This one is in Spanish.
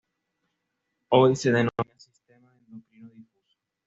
Hoy se denomina Sistema endocrino difuso.